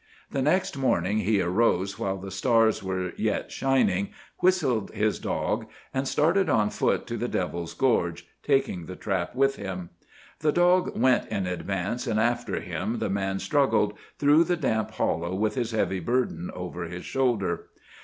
The next morning he arose while the stars were yet shining, whistled his dog, and started on foot to Devil's Gorge, taking the trap with him. The dog went in advance and after him the man, struggling through the damp hollow with his heavy burden over his shoulder.